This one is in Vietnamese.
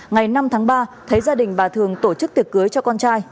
ngày năm tháng ba thấy gia đình bà thường tổ chức tiệc cưới cho con trai